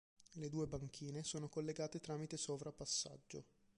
Le due banchine sono collegate tramite sovrapassaggio.